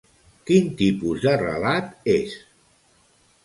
Quin tipus de relat és?